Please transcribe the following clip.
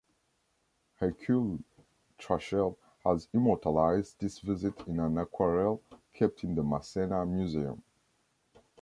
Hercule Trachel has immortalized this visit in an aquarelle kept in the Masséna Museum.